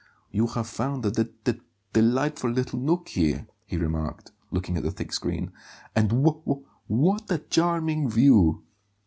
"You have found a d d delightful little nook here," he remarked, looking at the thick screen; "and w w what a charming view!"